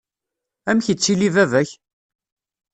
Amek ittili baba-k?